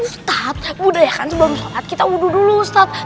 ustadz budaya kan sebelum sholat kita uduh dulu ustadz